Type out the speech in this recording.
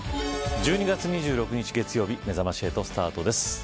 １２月２６日月曜日めざまし８、スタートです。